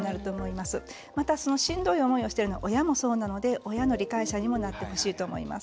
また、そのしんどい思いをしているのは親もそうなので親の理解者にもなってほしいと思います。